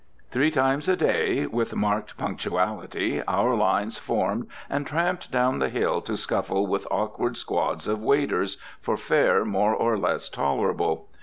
Three times a day, with marked punctuality, our lines formed and tramped down the hill to scuffle with awkward squads of waiters for fare more or less tolerable.